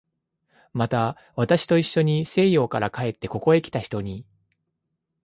また、私といっしょに西洋から帰ってここへきた人に